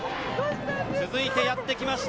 続いてやってきました。